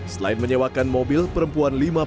selain menyewakan mobil perempuan lima puluh